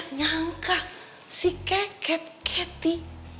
aduh gak nyangka si keket kety